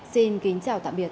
xin kính chào tạm biệt